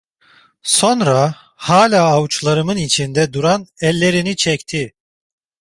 Sonra, hâlâ avuçlarımın içinde duran ellerini çekti.